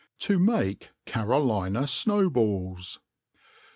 To make Carolina Snow Balls.